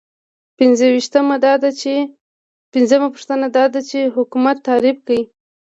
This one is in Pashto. پنځمه پوښتنه دا ده چې حکومت تعریف کړئ.